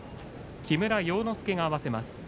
木村要之助が合わせます。